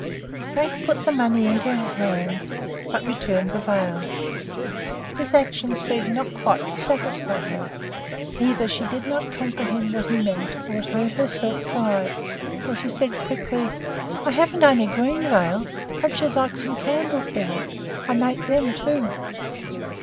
Frank put the money into her hand, but returned the veil. This action seemed not quite to satisfy her; either she did not comprehend what he meant, or it hurt her self pride, for she said quickly: "I havn't only green veils p'raps you'd like some candles better I makes them too."